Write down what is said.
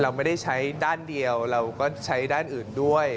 เราไม่ได้ใช้ด้านเดียวเราก็ใช้ด้านอื่นด้วย